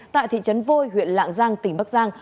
tại thị trấn vôi huyện lạng giang tỉnh bắc giang